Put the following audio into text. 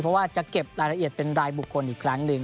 เพราะว่าจะเก็บรายละเอียดเป็นรายบุคคลอีกครั้งหนึ่ง